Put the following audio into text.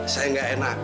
saya gak enak